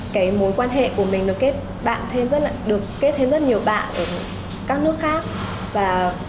cái mối quan hệ của mình được kết bạn thêm rất là được kết thêm rất nhiều bạn ở các nước khác và